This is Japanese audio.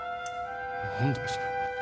何だそれ？